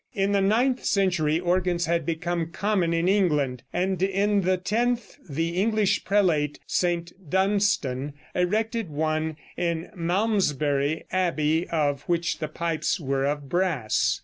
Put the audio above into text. In the ninth century organs had become common in England, and in the tenth the English prelate, St. Dunstan, erected one in Malmesbury Abbey, of which the pipes were of brass.